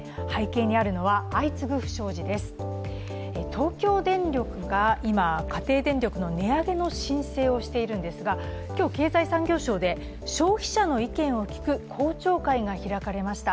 東京電力が今、家庭電力の値上げの申請をしているんですが今日、経済産業省で消費者の意見を聞く公聴会が開かれました。